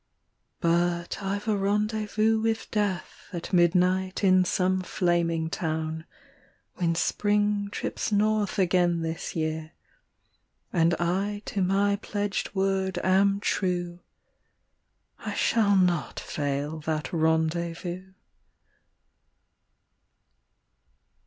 . But I've a rendezvous with Death At midnight in some flaming town, When Spring trips north again this year, And I to my pledged word am true, I shall not fail that rendezvous.